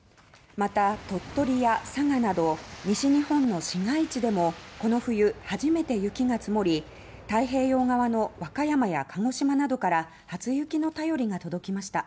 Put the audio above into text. また鳥取や佐賀など西日本の市街地でもこの冬初めて雪が積もり太平洋側の和歌山や鹿児島などから初雪の便りが届きました。